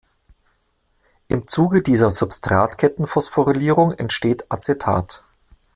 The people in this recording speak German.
Im Zuge dieser Substratkettenphosphorylierung entsteht Acetat.